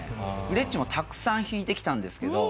グレッチもたくさん弾いてきたんですけど